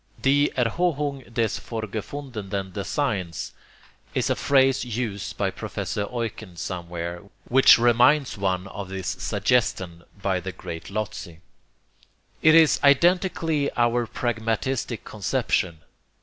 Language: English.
"Die erhohung des vorgefundenen daseins" is a phrase used by Professor Eucken somewhere, which reminds one of this suggestion by the great Lotze. It is identically our pragmatistic conception.